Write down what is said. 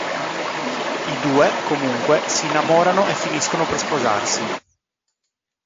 I due, comunque, si innamorano e finiscono per sposarsi.